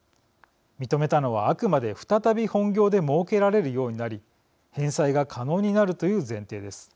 認めたのはあくまで再び本業でもうけられるようになり返済が可能になるという前提です。